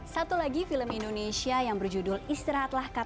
satu lagi film indonesia yang berjudul istirahatlah kata